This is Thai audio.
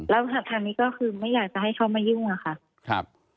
แล้วทางนี้ก็คือไม่อยากจะให้เขามายุ่งอะค่ะ